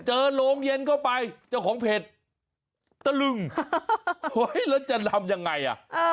โรงเย็นเข้าไปเจ้าของเพจตะลึงแล้วจะทำยังไงอ่ะ